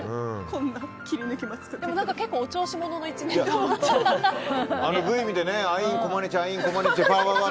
こんな切り抜きまで結構、お調子者の一面が？